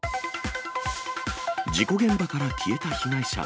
事故現場から消えた被害者。